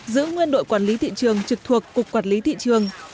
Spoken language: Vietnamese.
giữ nguyên đội quản lý thị trường trực thuộc cục quản lý thị trường